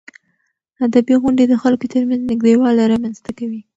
ادبي غونډې د خلکو ترمنځ نږدېوالی رامنځته کوي.